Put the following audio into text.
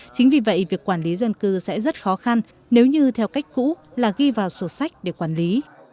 chính vì vậy việc quản lý dân cư sẽ rất khó khăn nếu như theo cách cũ là ghi vào sổ sách để quản lý